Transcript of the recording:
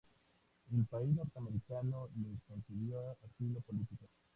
El país norteamericano les concedió asilo político.